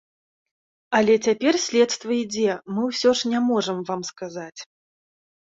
Але цяпер следства ідзе, мы ж усё не можам вам сказаць.